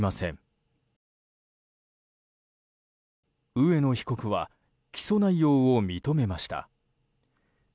上野被告は起訴内容を認めました。